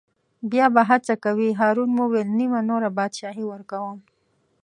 بیا به څه کوې هارون وویل: نیمه نوره بادشاهي ورکووم.